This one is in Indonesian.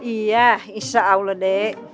iya insya allah dek